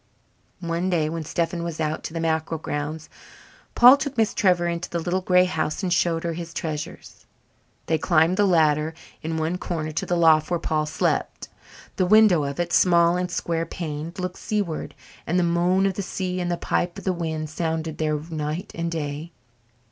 One day when Stephen was out to the mackerel grounds, Paul took Miss Trevor into the little grey house and showed her his treasures. They climbed the ladder in one corner to the loft where Paul slept. The window of it, small and square paned, looked seaward, and the moan of the sea and the pipe of the wind sounded there night and day.